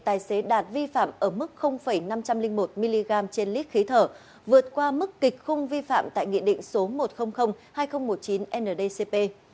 tài xế đạt vi phạm ở mức năm trăm linh một mg trên lít khí thở vượt qua mức kịch khung vi phạm tại nghị định số một trăm linh hai nghìn một mươi chín ndcp